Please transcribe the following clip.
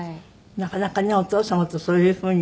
なかなかねお父様とそういうふうに。